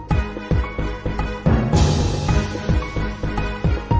ตัดต้นเวลาไม่ถึงสำคัญ